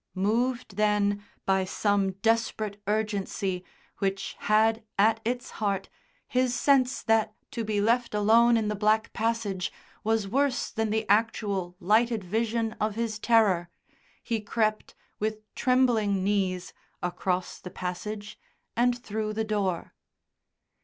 Moved then by some desperate urgency which had at its heart his sense that to be left alone in the black passage was worse than the actual lighted vision of his Terror, he crept with trembling knees across the passage and through the door.